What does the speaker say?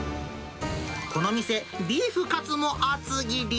この店、ビーフカツも厚切り。